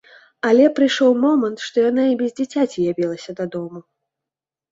Але прыйшоў момант, што яна і без дзіцяці явілася дадому.